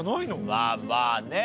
まあまあね。